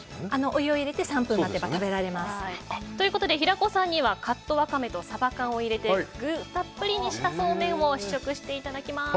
お湯を入れて３分待てば食べられます。ということで、平子さんにはカットワカメとサバ缶を入れて具をたっぷりにしたそうめんを試食していただきます。